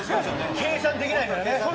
計算できないからね。